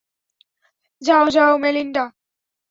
যাও, যাও মেলিন্ডা!